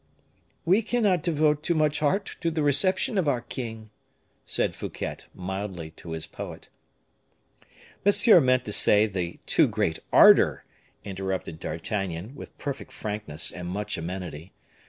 "We cannot devote too much heart to the reception of our king," said Fouquet, mildly, to his poet. "Monsieur meant to say the too great ardor," interrupted D'Artagnan, with perfect frankness and much amenity.